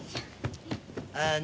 ああ。